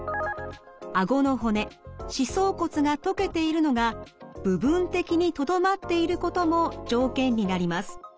あごの骨歯槽骨が溶けているのが部分的にとどまっていることも条件になります。